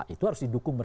itu harus didukung oleh